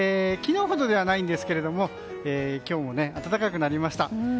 昨日ほどではないんですけれども今日も暖かくなりました。